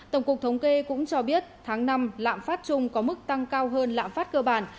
tổng cục thống kê cũng cho biết tháng năm lạm phát chung có mức tăng cao hơn lạm phát cơ bản